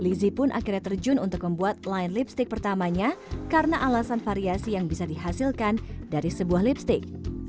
lizzie pun akhirnya terjun untuk membuat line lipstick pertamanya karena alasan variasi yang bisa dihasilkan dari sebuah lipstick